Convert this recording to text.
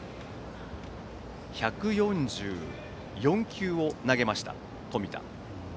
１４４球を投げました、冨田。